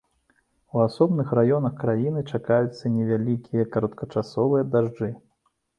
У асобных раёнах краіны чакаюцца невялікія кароткачасовыя дажджы.